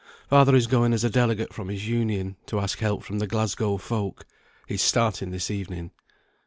Father is going as a delegate from his Union, to ask help from the Glasgow folk. He's starting this evening."